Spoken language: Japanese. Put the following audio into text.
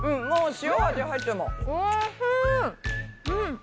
うん！